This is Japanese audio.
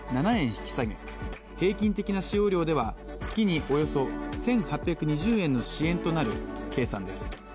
引き下げ平均的な使用量では月におよそ１８２０円の支援となる計算です。